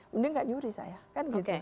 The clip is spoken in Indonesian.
mendingan tidak nyuri saya kan gitu